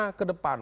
bagaimana ke depan